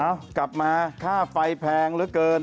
เอากลับมาค่าไฟแพงเกิน